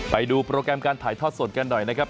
ไปดูโปรแกรมการถ่ายทอดสดกันหน่อยนะครับ